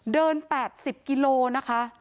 เดิน๘๐กิโลนะคะ